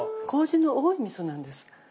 麹の多いみそなんです。